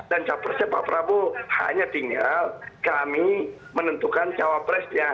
dan capresnya pak prabowo hanya tinggal kami menentukan cawapresnya